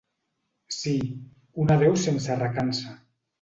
Sí, un adéu sense recança.